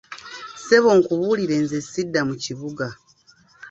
Ssebo nkubuulire nze sidda mu kibuga.